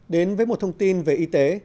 đến với một thông tin về y tế